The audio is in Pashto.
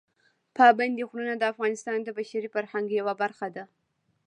پابندي غرونه د افغانستان د بشري فرهنګ یوه برخه ده.